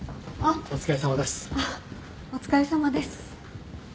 お疲れさまです。